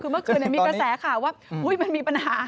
คือเมื่อคืนมีกระแสข่าวว่ามันมีปัญหา